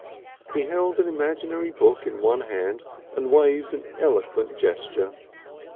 He held an imaginary book in one hand and waved an eloquent gesture.